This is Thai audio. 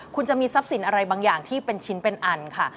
คุณจะมีทรัพย์สินอะไรบางอย่างที่เป็นชิ้นเป็นอันค่ะ